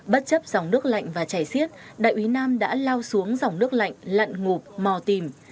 bất chấp dòng nước lạnh và chảy xiết đại úy nam đã lao xuống dòng nước lạnh lặn ngụp mò tìm